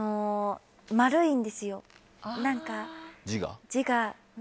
丸いんですよ、字が。